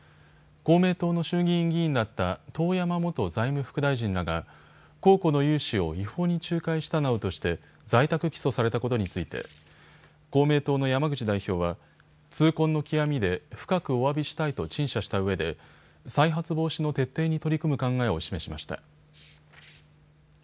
公明党の衆議院議員だった遠山元財務副大臣らが公庫の融資を違法に仲介したなどとして在宅起訴されたことについて公明党の山口代表は痛恨の極みで深くおわびしたいと陳謝したうえで再発防止の徹底に取り組む考えを示しました。